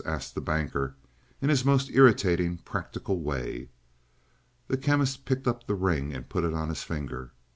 asked the Banker, in his most irritatingly practical way. The Chemist picked up the ring and put it on his finger.